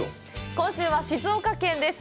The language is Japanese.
今週は静岡県です。